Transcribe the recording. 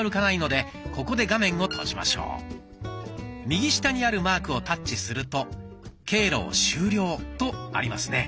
右下にあるマークをタッチすると「経路を終了」とありますね。